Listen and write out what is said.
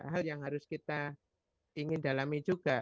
hal yang harus kita ingin dalami juga